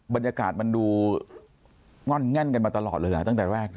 บรรยากาศมันดูง่อนแง่นกันมาตลอดเลยนะตั้งแต่แรก